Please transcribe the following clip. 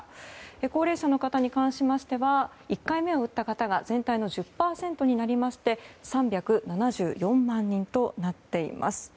高齢者の方に関しましては１回目を打った方が全体の１０％になりまして３７４万人となっています。